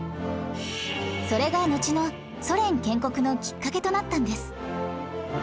それがのちのソ連建国のきっかけとなったんです